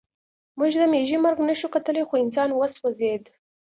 موږ د مېږي مرګ نشو کتلی خو انسان وسوځېد